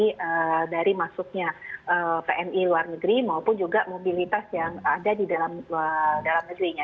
dari masuknya pmi luar negeri maupun juga mobilitas yang ada di dalam negerinya